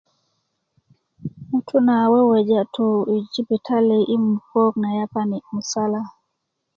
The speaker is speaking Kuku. ŋutú na weweja tu i jibitali i mukak na yapani musalá